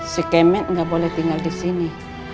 si kemen nggak boleh tinggal di sini